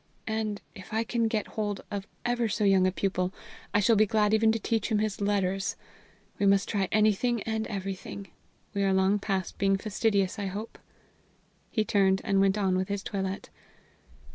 And, if I can get hold of ever so young a pupil, I shall be glad even to teach him his letters. We must try anything and everything. We are long past being fastidious, I hope." He turned and went on with his toilet.